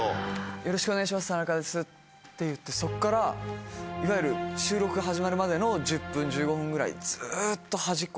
「よろしくお願いします田中です」って言ってそこからいわゆる収録が始まるまでの１０分１５分ぐらいずっと。